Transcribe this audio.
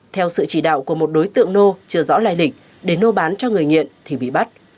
theo sự chỉ đạo của một đối tượng nô chưa rõ lai lịch để nô bán cho người nghiện thì bị bắt